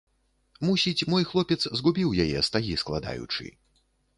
Мусіць, мой хлопец згубіў яе, стагі складаючы.